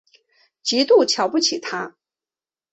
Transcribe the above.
极度瞧不起他